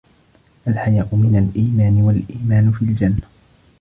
الْحَيَاءُ مِنْ الْإِيمَانِ وَالْإِيمَانُ فِي الْجَنَّةِ